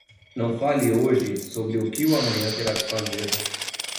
Não fale hoje sobre o que o amanhã terá que fazer.